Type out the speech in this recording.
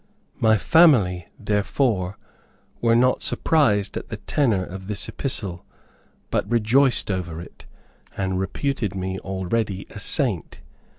My family, therefore, were not surprised at the tenor of this epistle, but rejoiced over it, and reputed me already a Saint.